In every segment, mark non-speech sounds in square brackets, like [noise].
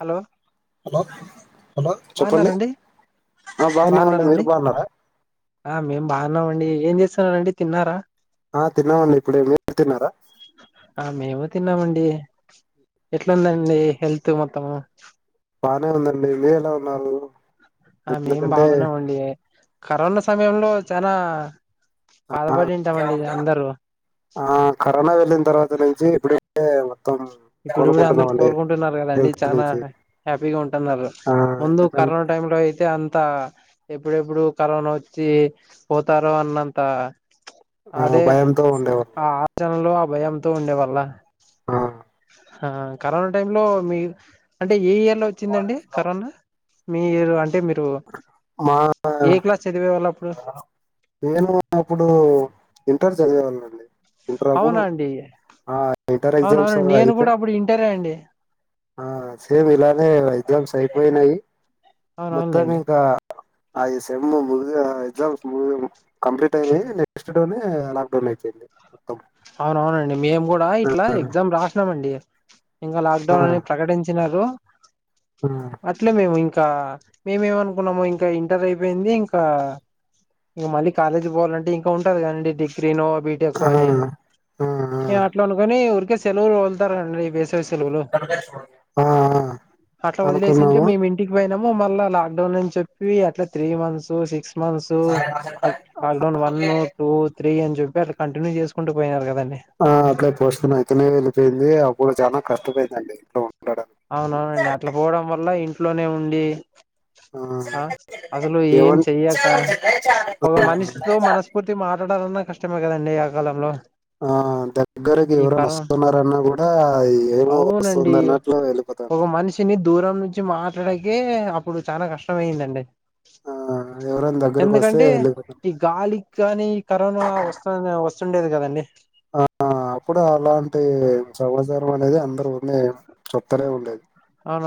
Hello hello hello చెప్పండి బాగున్నారండి ఆ బాగున్నామండి మీరు బాగున్నారండి బాగున్నారా ఆ మేం బాగున్నామండి ఏం చేస్తున్నారండి తిన్నారా ఆ తిన్నామండి ఇప్పుడే మీరు తిన్నారా ఆ మేము తిన్నామండి ఎట్లుందండి హెల్త్ మొత్తము బానే ఉందండి మీరెలా ఉన్నారు ఆ మేం ఎందుకంటే బాగున్నామండి. ఆ కరోనా సమయంలో చానా ఆ బాధపడింటామండి అందరు ఆ కరోనా వెళ్ళిన తర్వాత నుంచి ఇప్పుడైతే ఇప్పుడు కూడా అందరు కోలుకుంటున్నార కదండి. హెల్త్ చాల నుంచి హ్యాపీగా ఉంటున్నారు. ఆ ముందు కరోనా ఎందుకంటే ట టైంలో అయితే అంత ఎప్పుడెప్పుడు కరోనా వచ్చి పోతారో అన్నంత ఆ అదే భయంతో ఆ ఉండేవాళ్ళు ఆలోచనలో ఆ భయంతో ఉండే వాళ్ళు ఆ ఆ కరోనా టైంలో మీ అంటే ఏ ఇయర్ లో వచ్చిందండి కరోనా. మీరు అంటే మీరు మా ఏ క్లాస్ చదివేవాళ్ళప్పుడు నేను అప్పుడు ఇంటర్ చదివేవాళ్ళమండి ఇంటర్ అప్పుడు అవునా అండి ఆ ఇంటర్ ఎగ్జామ్స్ అవునవునండి నేను అయితే కూడా అప్పుడు ఇంటరే అండి హా సేమ్ ఇలానే ఎగ్జామ్స్ అయి పోయినాయి మొత్తం అవునవునులేండి ఇంకా ఆయ సెమ్ము ఎగ్జామ్స్ కంప్లీట్ అయినయి నెక్స్ట్ డేనే లాక్ డౌన్ అయిపోయింది. మొత్తం అవునఅవునండి మేము కూడా ఇట్లా ఎగ్జామ్ రాసినామండి. ఇంక లాక్ ఆ డౌన్ అని ప్రకటించినరు. ఆ అట్లే మేము ఇంక్ ఇంకా మేమేమనుకున్నాము ఇంకా ఇంటర్ అయిపోయింది ఇంకా ఇం మళ్ళీ కాలేజీ కీ పోవాలంటే ఇంకా ఉంటది కదండి డిగ్రీనో బీటెక్కొ ఆ అని ఆ అట్లా అనుకొని ఊరికే సెలవులు వదులుతారని సెలవులు ఆ ఆ, అట్లా వదిలేసుంటే అనుకున్నాము మేమింటికి పోయి మమ్మొ మళ్ళా లాక్ డౌన్ అని చెప్పి అట్లా త్రీ మంత్స్ సిక్స్ క్స్ months lockdown one two three అని చెప్పి అట్లా కంటిన్యూ చేసుకుంటూ పోయినారు కదండి. ఆ అట్లే పోస్టుపోన్ అయితేనే వెళ్ళిపోయింది. అప్పుడు చానా కష్టమైందండి ఇంట్లో ఉండడానికి అవునవునండి అట్లా పోవడం వల్ల ఇంట్లోనే ఉండి ఆ అసలు ఏం ఏమన్ చెయ్యక ఒక మనిషితో మనస్ఫూర్తి మ మాట్లాడాలన్నా కష్టమే కదండి ఆ కాలంలో ఆ దగ్గరకి ఈ ఎవరన్నా కరోనా వస్తున్నారన్నా కూడా ఏమో అవునండి వస్తుంది అన్నట్లు ఒక వెళ్ళిపోతాండ్రు మనిషిని దూరం నుంచి మాట్లాడాకే అప్పుడు చాలా కష్టం అయిందండి. ఆ ఎవరైనా దగ్గరకు వస్తే ఎందుకంటే వెళ్ళిపో ఈ గాలి కి గాని కరోనా వస్తు వస్తుండేది కదండి. ఆ అప్పుడు అలాంటి సమాచారం అనేది అందరు ఉనే చెప్తనే ఉండే అవున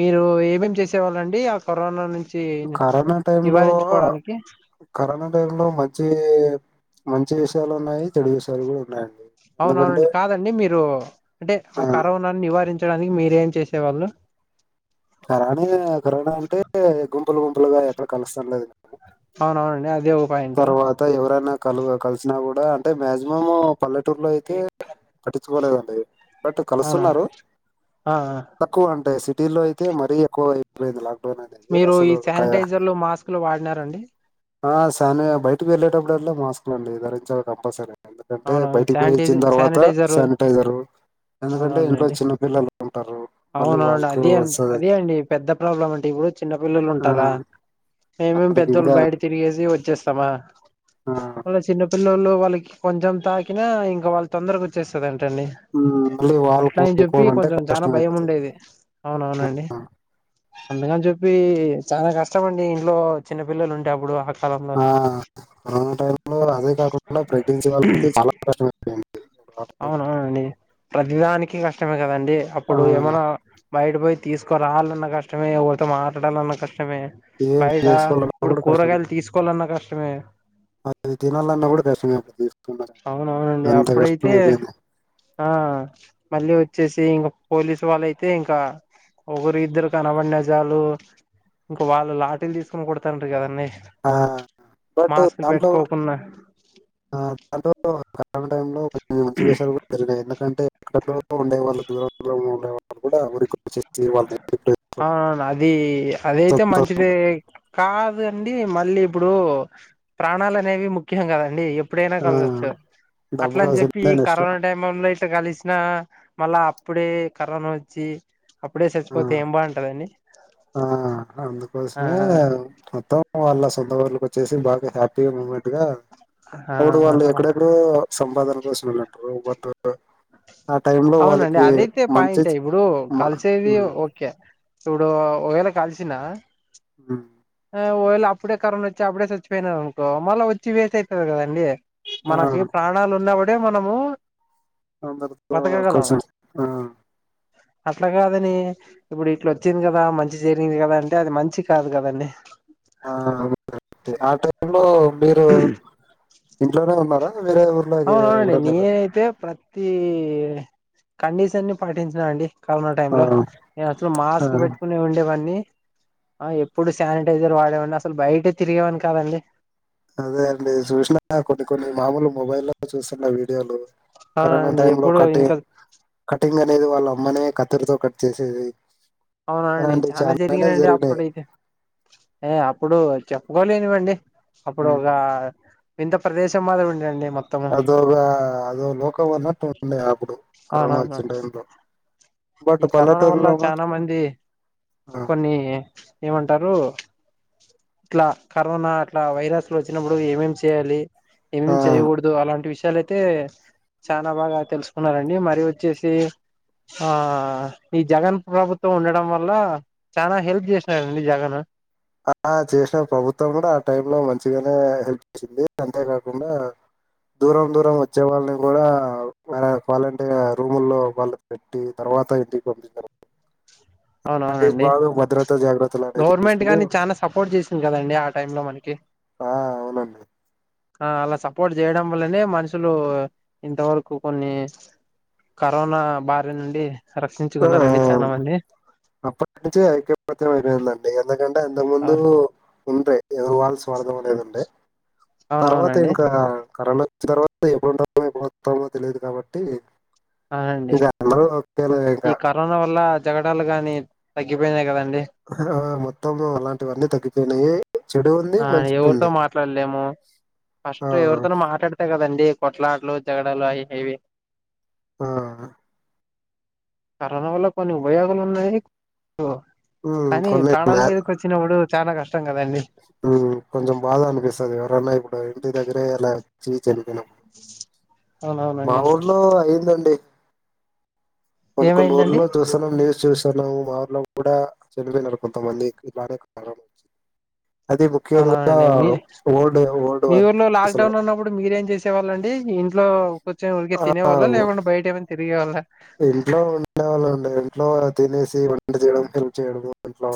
మీరు ఏమేం చేసేవాళ్ళండి ఆ కరోనా నుం కరోనా టైంలో కరోనా టైంలో మంచిగ చే మంచి విషయాలు ఉన్నాయి. చెడు విషయాలు కూడా ఉన్నాయి. అవునవునండి కాదండి మీరు అంటే ఆ కరోనాను నివారించు డానికి మీరేం చేసేవాళ్ళు కరానా కరోనా అంటే గుంపులు గుంపులుగా ఎక్కడ కలుస్తాం లేదు. అవునవునండి అదే ఒక పాయింట్ తర్వాత ఎవరన్నా కలువ కలిసినా కూడా అంటే మాక్సిమం పల్లెటూరులో అయితే పట్టించుకోలేదండి బట్ అవునా కలుస్తున్నారు ఆ ఆ! తక్కువ అంటె సిటీ లో అయితే మరీ ఎక్కువ లాక్డౌన్ అనేది మీరు ఈ అసలు క శానిటైజర్లు మాస్కులు వాడినారండి. ఆ శానియా బయటకి వెళ్ళేటప్పుడుల్లా మాస్కులు అండి ధరించాలి కంపల్సరీ ఎందుకంటే అవునవును బయటికి పోయి ఇచ్చిన శానిటైజర్ తర్వాత శానిటైజరు శానిటైజరు ఎందుకంటే ఇంట్లో అవునవునండి చిన్నపిల్లలు ఉంటారు మళ్ళీ అవునవునండి వాళ్ళకు అదే అన్ అదే వస్తదని అండి పెద్ద ప్రాబ్లం అంటే ఇప్పుడు చిన్న పిల్లలు ఆ ఉంటారా మేమేం వాళ్ళకి పెద్దోళ్ళు ఇంకా బయట తిరిగేసి వచ్చేస్తామా ఆ వాళ్ళ చిన్నపిల్ల వాళ్ళకి కొంచం తాకినా ఇంకా వాళ్ళ తొందరగా వచ్చేస్తుదండి డి ఉమ్, మళ్ళీ వాళ్ళు అట్లా అని చెప్పి కోలుకోవాలంటే కొంచెం చాలా కష్టం భయం అయిపోతది ఉండేది అవునవునండి అంతకని చెప్పి చాలా కష్టమ అండి ఇంట్లో చిన్నపిల్లలు ఉంటేప్పుడు ఆ టైం లో అదే కాకుండా ప్రెగ్నెన్సీ వాళ్ళు చాలా కష్టమైపోయేది అవునవునండి ప్రతిదానికి కష్టమే కదండి ఆ అప్పుడు ఏమైనా బయట పోయి తీసుకు ఎవ రాలన్న కష్టమే ఎవరితో మాట్లాడాలన్న కష్టమే కష్టమే ఏం బైట చేసుకోవాలన్నా ఇప్పుడు కూడా కష్టమే కూరగాయలు తీసుకోవాలన్నా కష్టమే అది తినాలన్నా కూడా తీసున్నారు అవునవునండి అంత కష్టం అప్పుడైతే అయిపోయింది ఆ మళ్ళీ వచ్చేసి ఇంక పోలీసు వాళ్ళ అయితే ఇంకా ఒకరు ఇద్దరు కనబడినజాలు ఇంక వాళ్ళు లాటీలు తీసుకొని కొడతారు కదండి ఆ బట్ మాస్కులు దాంట్లో పెట్టుకోకునా ఆ అటు కరోనా టైం లో చి చేసే కూడా జరినయి ఎందుకంటే ఎక్కడ ఉండే వాళ్ళు దూర ఉండేళ్ళ కూడా రి [unintelligible] అవునను అదైతే సొంత మంచిదే ఊరు. కాదండి మళ్ళీ ఇప్పుడు ప్రాణాలు అనేవి ముఖ్యం కదండి ఎప్పుడైనా ఆ, కలిసొచ్చు డబ్బు అట్ల అని చెప్పి ఈ కావాల్సిందే నెక్స్ట్ కరోనా టైమ్ లో అయితే కలిసి ఇ మళ్ళా అప్పుడే కరోనా వచ్చి అప్పుడే చచ్చిపోతే ఏం బాగుంటదండి ఆ ఆ అందుకోసమే మొత్తం వాళ్ళ సొంత ఊర్లకు వచ్చేసి బాగా హ్యాపీగా మూమెంట్ ఆ అప్పుడు వాళ్ళు ఎక్కడెక్కడో సంపాదన కోసం వెళ్ళంటారు బట్ ఆ టైంలో అవునండి వాళ్ళకి అదైతే మంచి పాయింట్ ఇప్పుడు మ- కలిసేది ఉమ్, ఓకే ఇప్పుడు ఒకవేళ కాలిసిన ఉ ఒక వేల అప్పుడే కరోనా వచ్చి అప్పుడే చచ్చిపోయినారు అనుకో మళ్ళీ వచ్చి వేస్ అవుతుంది కదండి ఆ, మనకి ప్రాణాలు ఉన్నప్పుడే మనము అందరితో బతకగలం కలిసి ఆ అట్లా కాదని ఇప్పుడు ఇట్లా ఓచ్చింది కదా మంచి జరిగింది కదా అంటే అది మంచి కాదు కదండి ఆ అ ఆ టైం లో మీరు ఇంట్లోనే ఉన్నారా వేరే ఊర్లోకి అవునవునండి ఎప్పుడన్నా ఎళ్ళ నేనైతే ప్రతి కండిషన్ ని పాటించిన అండి కరోనా టైం ఆ లో నేను అసలు ఆ మాస్క్లు పెట్టుకునే ఉండేవన్నీ ఆ ఎప్పుడు శానిటైజర్ వాడేవాన్ని అసలు బయటే తిరిగేవాని కాదండి అదే అండి చూసినా కొన్ని కొన్ని మామూలు మొబైల్ చూస్తున్న వీడియోలు కరనా అవునండి టైం లో ఎప్పుడు కటి ఇంకా కటింగ్ అనేది వాళ్ళ అమ్మనే కత్తెరతో కట్ చేసేది అవునండి అలాంటివి చాలా చాలానే జరిగినండి జరిగినాయి అప్పుడైతే ఏ అప్పుడు వచ్చా లేనివండి అప్పుడు ఒక వింత ప్రదేశం మాదిరి ఉండండి మొత్తము అదోగా అదో లోకము అన్నట్టు ఉండే అప్పుడు కరోనా అవునవును వచ్చిన టైంలో ఈ కరోనా ఉన్న చాలా మంది ఆ కొన్ని ఏమంటారు ఇట్ల కరోనా అట్లా వైరస్లు వచ్చినప్పుడు ఏమేం చేయాలి. ఏం ఆ చెయ్యకూడదు అలాంటి విష యాలైతే చాలా బాగా తెల్సుకున్నారండి మరి వచ్చేసి ఆ ఈ జగన్ ప్రభుత్వం ఉండడం వల్ల చానా హెల్ప్ చేసినారండి జగన్ ఆ చేసిన ప్రభుత్వం కూడా ఆ టైమ్ లో మంచిగనే హెల్ప్ చేసింది అంతేకాకుండా దూరం దూరం వచ్చే వాళ్ళని కూడా మ వాలంటీర్ రూముల్లో వాళ్ళు పెట్టి తర్వాత త ఇంటికి పంపిస్తారు అవునవునండి భద్రతా జాగ్రత్తలు అనేవి గవర్నమెంట్ తీసుకుని కానీ చాలా సపోర్ట్ చేసింద్ కదండి ఆ టైమ్లో మనకి ఆ అవునండి. ఆ అలా సపోర్ట్ చేయడం వల్లనే మనుషులు ఇంతవరకు కొన్నీ కరోనా బారి నుండి రక్షించుకున్నారండి చాలా మంది. అప్పడ్నుంచి ఐకమత్యం అయిపోయిందండి ఎందుకంటే అంతక్ ముందు ఉండే ఎవరి వాళ్ళు స్వార్థం అనేద్ ఉండే తర్వాత అవునవునండి ఇంకా కరోన తర్వాత [unintelligible] తెలీదు కాబట్టి అవునండి ఇంక అందరూ [unintelligible] ఈ కరోనా వల్ల జగడాలు గాని తగ్గిపోయినయి కదం ఆ మొత్తము అలాంటివన్నీ తగ్గిపోయినయి. చె ఆ ఎవర్తో మాట్లాడ్లేము ఆ ఫస్ట్ ఎవర్తోనో మాట్లాడ్తే కదండి. కొట్లాట్లు జగడాలు అయి హైవే ఆ కరోనా వల్ల కొన్ని ఉపయోగాలున్నాయి. ఉమ్, కనీ కొన్ని ప్రాణాల మీదకొచ్చినప్పుడు చాలా కష్టం కదండి. మ్ కొంచం బాధ అనిపిస్తది. ఎవరన్న ఇప్పుడు ఇంటి దగ్గరే అలా చీ చనిపోయినపుడ్ మా అవునవునండి ఊర్లో అయిందండి. కొన్ కొన్ ఏమైందండి ఊర్లో చూస్తామండి. చూస్తున్నాము మా ఊర్లో కూడా చనిపోయినరు కొంతమంది ఇలానే కరోనా నుంచి అవునా అండి మీ ఓల్డ్ ఓల్డ్ మీ వారు ఊర్లో అసలు లాక్డౌన్ ఉన్నప్పుడు మీరేం చేసే వాళ్ళండి. ఇంట్లో కూర్చొన్ ఊర్కే ఆ! తినేవాళ్ళ లేకుంటే బయట ఏమైన తిరిగేవాళ్ళ ఇంట్లో ఉండేవాళ్ళమండి ఇంట్లో తినేసి వంట చేయడం హెల్ప్ చేయడం ఇంట్లో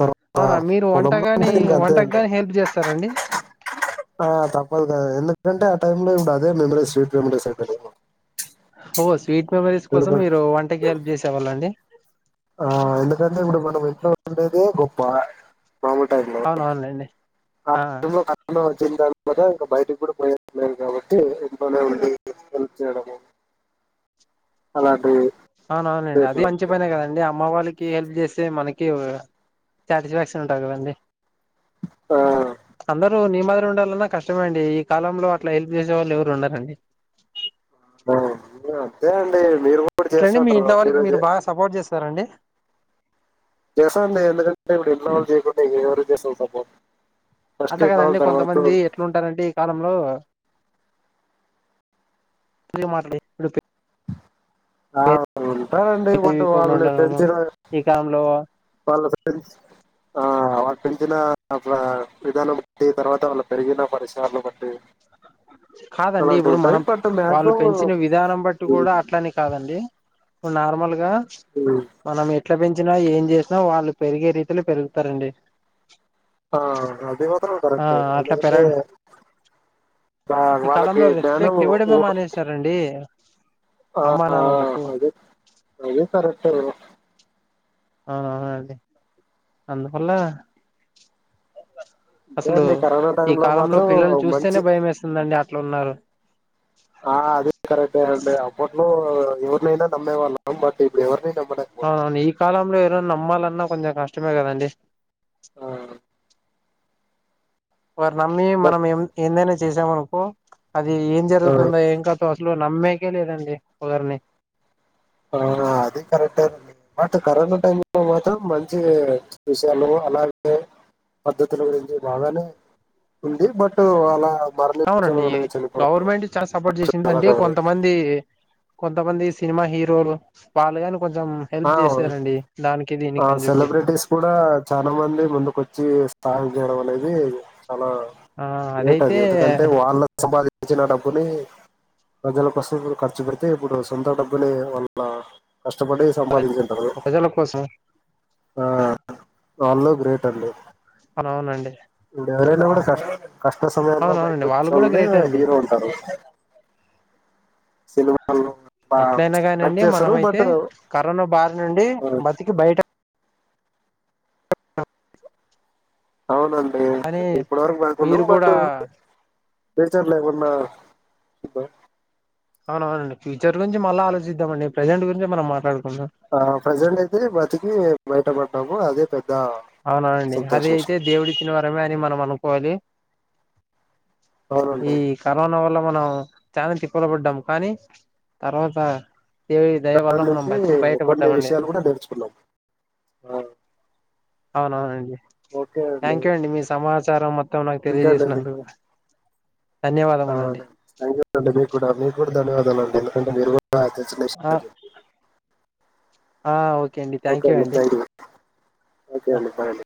తర్వాత అవునా మీరు పొలంలో వంటగాని ఉంటే ఇంకా అంతే వంటకు అండి. గాని హెల్ప్ చేస్తారండి ఆ తప్పదు కదా ఎందుకంటే ఆ టైమ్లో ఇప్పుడ్ అదే మెమోరీస్ స్వీట్ మెమరీస్ అయిపోయినయిగా మెమోరీస్ కోసం మీరు వంటకి హెల్ప్ చేసేవాళ్ళ అండి ఆ ఎందుకంటే ఇప్పుడు మనం ఇంట్లో ఉండేదే గొప్ప మాముల్ టైమ్లో అవునవునులేండి ఆ టైంలో కరోనా వచ్చిన తర్వాత ఇంకా బయటకి గుడా పోయేది లేదు కాబట్టి ఇంట్లోనే ఉండి హెల్ప్ చేయడమో అలాంటివి అవునవున్ లెండి అది చేసినాను మంచి పనే కదండి. అమ్మ వాళ్ళకి హెల్ప్ చేస్తే మనకి సాటిస్ఫాక్షన్ ఉంటది కదండి. ఆ, అందరూ నిమ్ మ్మది ఉండాలన్నా కష్టమే అండి ఈ కాలంలో అట్లా హెల్ప్ చేసే వాళ్ళు ఎవరు ఉండరండి. ఆ ఇగ అంతే అండి. మీరు కూడా ఎట్లండి మీ చేస్తుంటారు ఇంట్లో వాళ్ళకి మీరు చే- బాగా సపోర్ట్ చేస్తారా అండి. చేస్తా అండి ఎందుకంటే ఇప్పుడు ఇంట్లో వాళ్ళకి చేయక్పోతే ఇంకెవరికి చేస్తాం సపోర్ట్ ఫస్ట్ అట్ల ఇంట్లో వాళ్ళ కాదండి తర్వాత కొంతమంది ఎట్లుంటారంటే ఈ కాలంలో [unintelligible] ఆ ఉంటారండి [unintelligible] పెళ్ళికోకుండా వాళ్ళని ఉండడము పెంచిన్రాయే ఈ కాలంలో వాళ్ళ ఫ్రెండ్స్ ఆ వాళ్ళు పెంచిన అట్లా విధానం బట్టి తర్వాత వాళ్ళు పెరిగిన పరిసరాలన్ బట్టి అలాంటివి కాదండిప్పుడు ఉంటాయి మనం బట్ వాళ్ళు పెంచిన మాక్సిమం విధానం బట్టి కూడా అట్లనీ కాదండి నార్మల్గా మనం ఎట్లా పెంచినా ఏం చేసినా వాళ్ళు పెరిగే రీతిలో పెరుగుతారండి ఆ అది మాత్రం ఆ కరెక్ట్ అట్లా ఎందుకంటే పెరగ ఆ ఈ వాళ్ళకి కాలంలో రెస్పెక్ట్ జ్ఞానము ఇవ్వడమే ఊహ మానేసినారండి ఆ అమ్మా ఆ నాన్నలకు అది అది కరెక్టే ఆ అండి అందు వల్ల అసలు అండి కరోనా ఈ టైంలో కాలంలో మాత్రం పిల్లల్ని మంచి చూస్తేనే భయమెస్తుందండి అట్లున్నారు ఆ అది కరెక్టే అండి అప్పట్లో ఎవర్నైనా నమ్మే వాళ్ళం బట్ ఇప్పుడ్ ఎవరిని నమ్ అవును ఈ కాలంలో ఏదైన్ నమ్మాలన్నా కొంచం కష్టమే గదండి ఆ, వార్ నమ్మి బట్ మనం ఎం ఏందైనా చేసామనుకో అది ఏం ఆ, జరుగుతుందో ఏం కదొ అసలు నమ్మేకె లేదండి ఒగర్ని ఆ అది కరెక్టే అండి బట్ కరోనా టైం లో మాత్రం మంచి విషయాలు అలాగే పద్ధతుల గురించి బాగానే ఉంది బట్ అలా మరణించడం అవునండి ఇది అనేది చనిపోవడం గవర్నమెంట్ చాలా సపోర్ట్ చాలా చేసిందింటే కరెక్ట్. కొంతమంది కొంతమంది సినిమా హీరోలు వాళ్ళు గాని కొంచం హెల్ప్ ఆ, జేసారండి దాని ఆ సెలబ్రిటీస్ కూడా చానా మంది ముందుకొచ్చి సహాయం జేయడమనేది చాలా ఆ గ్రేట్ అది అదైతే ఎందుకంటే వాళ్ళ సంపాదించిన డబ్బుని ప్రజల కోసం విళ్ళు ఖర్చు పెడితే ఇప్పుడు సొంత డబ్బునే వాళ్ళ కష్టపడి సంపాదించింటారు ప్రజల కోసం వాళ్ళు గు అవునండి ఇప్పుడు ఎవరైనా కూడా కష్ కష్ట సమయంలో అవునవునండి వాళ్ళు బయటకొచ్చే కూడా వాళ్ళని గ్రేటే అండి హీరో అంటారు సిన్మా వాళ్ళు బా ఎట్లయినా కానండి యాక్ట్ చేస్తారు మనమైతే బట్ కరోనా బారి నుండి బతికి బయట అవునండి అని ఇప్పుడ్ వరకు బకున్నాం మీరు బట్ కూడా ఫ్యూచర్లో ఏమన్నా అవునవునండి ఫ్యూచర్ గురించి మళ్ళ ఆలోచిద్దామండి ప్రజెంట్ గురించే మనం మాట్లాడు ఆ ప్రెజెంట్ అయితే బ్రతికి బయటపడ్డాము అదే పెద్ అవునవునండి అది అయితే దేవుడిచ్చిన వరమే అని మనం అనుకోవాలి ఈ అవునండి కరోనా వల్ల మనం చానా తిప్పలు పడ్డాం కానీ తర్వాత దేవుని దయ వల్ల దాని మనం నుంచి బతికి కొన్ని బయటపడ్డామండి విషయాలు కూడా నేర్చుకున్నాం ఆ, అవునవునండి థ్యాంక్ యూ అండి మీ సమాచారం మొత్తం నాకు తెలియజేస్నందుకు ఆ థ్యంకు అండి మీ గూడా మీక్ గూడా ధన్యవాదాలు అండి ఎందుకంటే మీరు [inaudible] ఆ ఆ ఓకే అండి ఓకే థ్యాంక్యూ అండి థ్యాంక్ యూ ఓకే అండి బాయ్ అండి